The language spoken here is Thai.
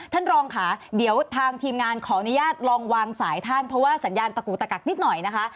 ท่านรองค่ะเดี๋ยวทางทีมงานขออนุญาตลองวางสายท่านเพราะว่าสัญญาณตะกูตะกักนิดหน่อยนะคะ